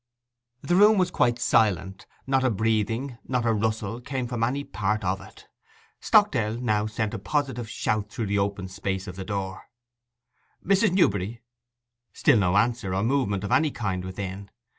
The room was quite silent; not a breathing, not a rustle, came from any part of it. Stockdale now sent a positive shout through the open space of the door: 'Mrs. Newberry!'—still no answer, or movement of any kind within.